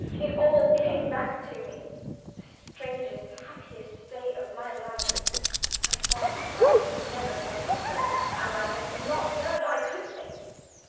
It all came back to me the strangest, happiest day of my life. I sung as I had never sung before as I had not known I could sing.